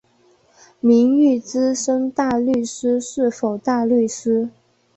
名誉资深大律师是否大律师？